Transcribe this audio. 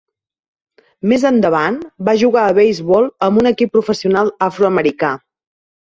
Més endavant, va jugar a beisbol amb un equip professional afroamericà.